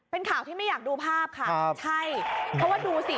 เป็นข่าวที่ไม่อยากดูภาพค่ะใช่เพราะว่าดูสิ